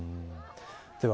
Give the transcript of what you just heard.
では